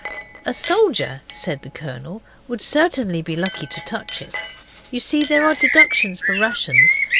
'A soldier,' said the Colonel, 'would certainly be lucky to touch it. You see there are deductions for rations.